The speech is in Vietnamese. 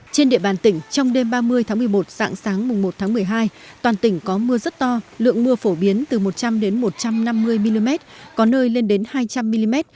trên địa bàn tỉnh trong đêm ba mươi tháng một mươi một sáng sáng mùng một tháng một mươi hai toàn tỉnh có mưa rất to lượng mưa phổ biến từ một trăm linh một trăm năm mươi mm có nơi lên đến hai trăm linh mm